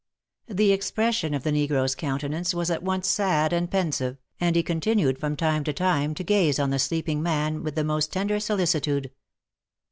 The expression of the negro's countenance was at once sad and pensive, and he continued from time to time to gaze on the sleeping man with the most tender solicitude.